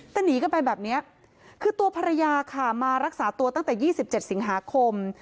แต่หนีกันไปแบบนี้คือตัวภรรยาค่ะมารักษาตัวตั้งแต่๒๗สิงหาคม